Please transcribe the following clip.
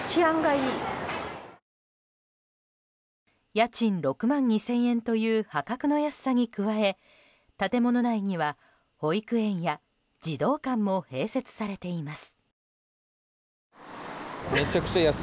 家賃６万２０００円という破格の安さに加え建物内には、保育園や児童館も併設されています。